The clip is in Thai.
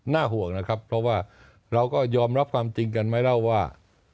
ห่วงนะครับเพราะว่าเราก็ยอมรับความจริงกันไหมเล่าว่า